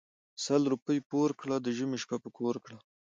سل روپی پور کړه د ژمي شپه په کور کړه .